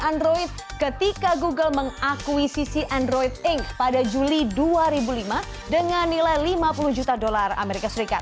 android ketika google mengakuisisi android inc pada juli dua ribu lima dengan nilai lima puluh juta dolar as